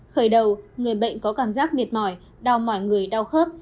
khởi đầu người bệnh có cảm giác mệt mỏi đau mỏi người đau khớp